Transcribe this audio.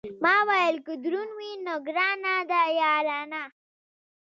ما ویل که دروند وي، نو ګرانه ده یارانه.